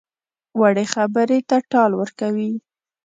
وړې خبرې ته ټال ورکوي.